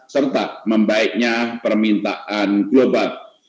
serta membaiknya permintaan global